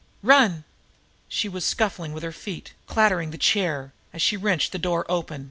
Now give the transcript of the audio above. Run!" She was scuffling with her feet, clattering the chair, as she wrenched the door open.